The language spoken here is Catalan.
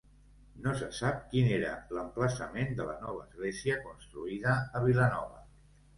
No se sap quin era l'emplaçament de la nova església construïda a Vilanova.